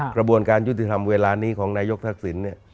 กระบวนการยุติธรรมเวลานี้ของนายกทักษิณเนี่ย